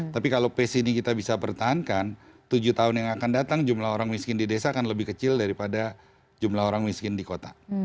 tapi kalau pace ini kita bisa pertahankan tujuh tahun yang akan datang jumlah orang miskin di desa akan lebih kecil daripada jumlah orang miskin di kota